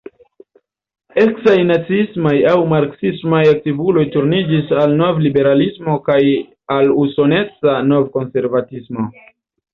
Eksaj naciismaj aŭ marksismaj aktivuloj turniĝis al novliberalismo kaj al usoneca novkonservatismo.